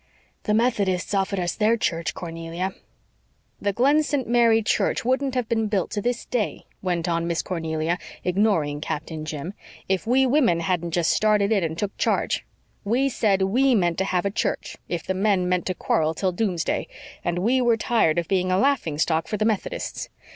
"The Methodists offered us their church, Cornelia." "The Glen St. Mary church wouldn't have been built to this day," went on Miss Cornelia, ignoring Captain Jim, "if we women hadn't just started in and took charge. We said WE meant to have a church, if the men meant to quarrel till doomsday, and we were tired of being a laughing stock for the Methodists.